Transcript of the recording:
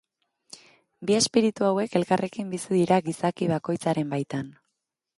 Bi espiritu hauek elkarrekin bizi dira gizaki bakoitzaren baitan.